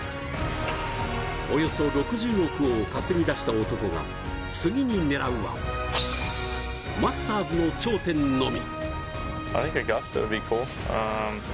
およそ６０億を稼ぎだした男が次に狙うはマスターズの頂点のみ。